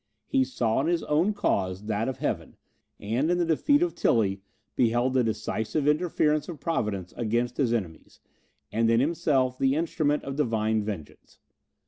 He saw in his own cause that of heaven, and in the defeat of Tilly beheld the decisive interference of Providence against his enemies, and in himself the instrument of divine vengeance.